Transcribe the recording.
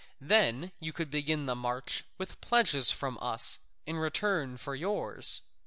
Then you could begin the march with pledges from us in return for yours."